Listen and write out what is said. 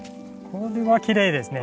これはきれいですね。